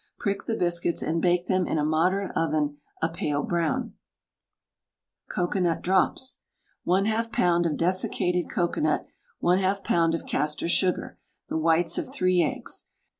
Prick the biscuits, and bake them in a moderate oven a pale brown. COCOANUT DROPS. 1/2 lb. of desiccated cocoanut, 1/2 lb. of castor sugar, the whites of 3 eggs.